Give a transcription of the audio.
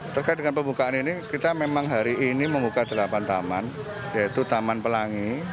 terkait dengan pembukaan ini kita memang hari ini membuka delapan taman yaitu taman pelangi